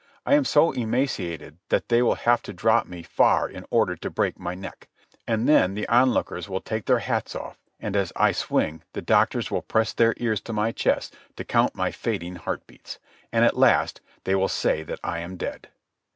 I am so emaciated that they will have to drop me far in order to break my neck. And then the onlookers will take their hats off, and as I swing the doctors will press their ears to my chest to count my fading heart beats, and at last they will say that I am dead.